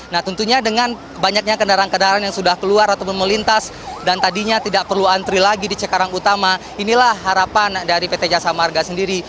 nah tentunya dengan banyaknya kendaraan kendaraan yang sudah keluar atau melintas dan tadinya tidak perlu antri lagi di cekarang utama inilah harapan dari pt jasa marga sendiri